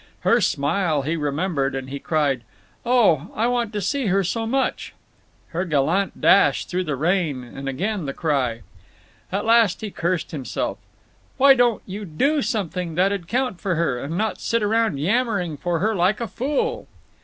Her smile he remembered—and he cried, "Oh, I want to see her so much." Her gallant dash through the rain—and again the cry. At last he cursed himself, "Why don't you do something that 'd count for her, and not sit around yammering for her like a fool?"